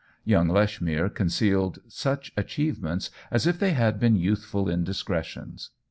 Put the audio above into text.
Young Lech mere con cealed such achievements as if they had been youthful indiscretions.